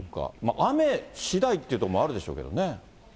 雨しだいっていうところもあるでしょうけどね。